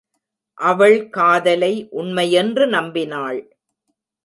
அவள் காதலை உண்மையென்று நம்பினாள்.